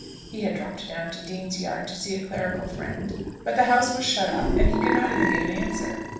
He had dropped down to Dean's Yard to see a clerical friend, but the house was shut up and he could not even get an answer.